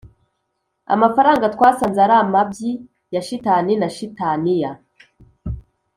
amafaranga twasanze ari amabyi ya shitani na shitaniya